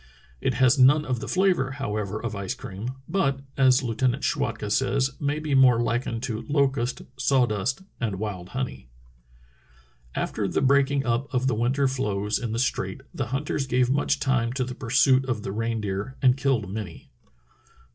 It has none of the flavor, however, of ice cream, but, as Lieutenant Schwatka says, may be more likened to locust, sawdust and zvild honey. After the breaking up of the winter floes in the strait the hunters gave much time to the pursuit of the rein 322 True Tales of Arctic Heroism deer and killed many.